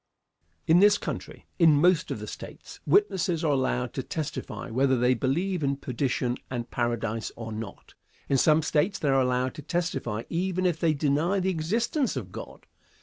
Answer. In this country, in most of the States, witnesses are allowed to testify whether they believe in perdition and paradise or not. In some States they are allowed to testify even if they deny the existence of God.